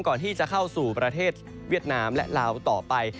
ก่อนที่จะเข้าสู่ประเทศเวียดนามและลาวต่อไป